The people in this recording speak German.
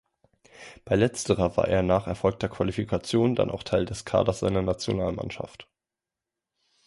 Bei letzterer war er nach erfolgter Qualifikation dann auch Teil des Kaders seiner Nationalmannschaft.